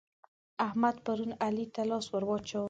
احمد پرون علي ته لاس ور واچاوو.